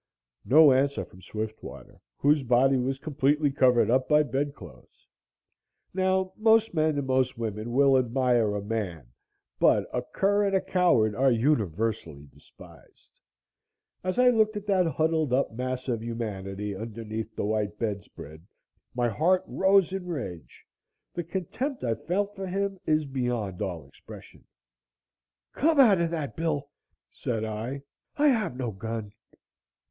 No answer from Swiftwater, whose body was completely covered up by bed clothes. Now, most men and most women will admire a MAN, but a cur and a coward are universally despised. As I looked at that huddled up mass of humanity underneath the white bedspread, my heart rose in rage. The contempt I felt for him is beyond all expression. "Come out of that, Bill," said I. "I have no gun!"